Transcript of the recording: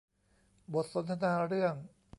บทสนทนาเรื่อง